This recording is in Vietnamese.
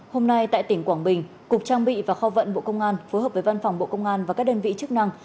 hôm nay tại tỉnh quảng bình cục trang bị và kho vận bộ công an phối hợp với văn phòng bộ công an và các đơn vị chức năng